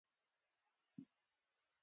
پوهېږم.